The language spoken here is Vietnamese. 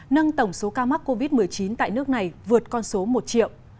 nâng tổng số ca mắc covid một mươi chín tại nước này vượt con số một triệu